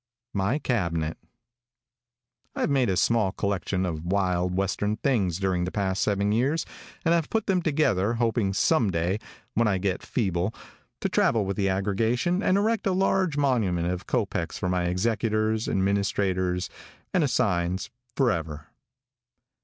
MY CABINET. |I HAVE made a small collection of wild, western things during the past seven years, and have put them together, hoping some day, when I get feeble, to travel with the aggregation and erect a large monument of kopecks for my executors, administrators and assigns forever.